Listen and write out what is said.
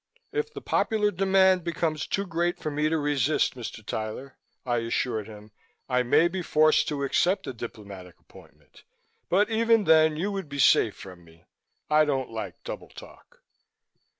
"If the popular demand becomes too great for me to resist, Mr. Tyler," I assured him, "I may be forced to accept a diplomatic appointment, but even then you would be safe from me. I don't like double talk."